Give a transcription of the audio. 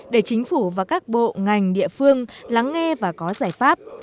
để chính phủ và các bộ ngành địa phương lắng nghe và có giải pháp